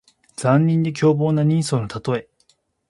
残忍で凶暴な人相のたとえ。